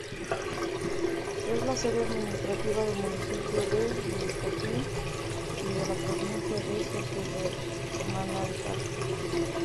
Es la sede administrativa del Municipio de Nyköping y de la Provincia de Södermanland.